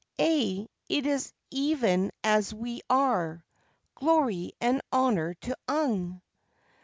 Ay, it is even as we are. Glory and honour to Ung!"